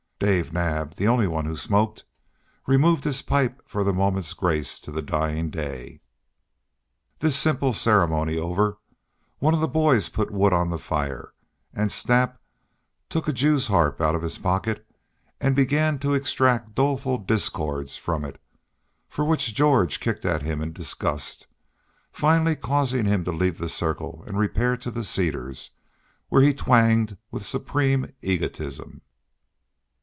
Dave Naab, the only one who smoked, removed his pipe for the moment's grace to dying day. This simple ceremony over, one of the boys put wood on the fire, and Snap took a jews' harp out of his pocket and began to extract doleful discords from it, for which George kicked at him in disgust, finally causing him to leave the circle and repair to the cedars, where he twanged with supreme egotism.